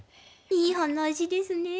いい話ですねえ。